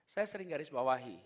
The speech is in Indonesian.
saya sering garis bawahi